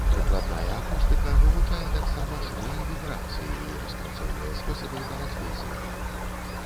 Прыкладная акустыка вывучае таксама шумы і вібрацыі і распрацоўвае спосабы барацьбы з імі.